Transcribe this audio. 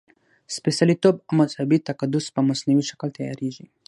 سپېڅلتوب او مذهبي تقدس په مصنوعي شکل تیارېږي.